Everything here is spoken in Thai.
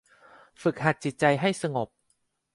ฝึกหัดจิตใจให้สงบ